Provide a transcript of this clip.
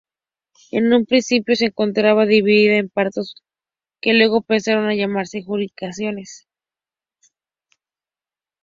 En un principio se encontraba dividida en partidos, que luego pasaron a llamarse jurisdicciones.